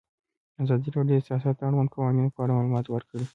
ازادي راډیو د سیاست د اړونده قوانینو په اړه معلومات ورکړي.